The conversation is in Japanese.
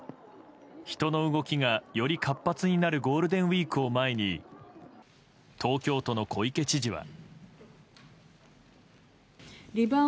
人の動きが、より活発になるゴールデンウィークを前に東京都の小池知事は。